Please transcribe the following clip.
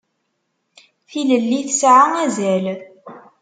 Tilelli tesɛa azal.